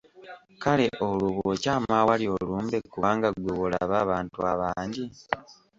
Kale olwo bw’okyama awali olumbe kubanga ggwe w’olaba abantu abangi?